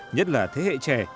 nhất là thế hệ trẻ